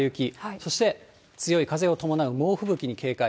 そして、強い風を伴う猛吹雪に警戒。